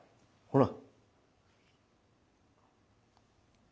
ほら！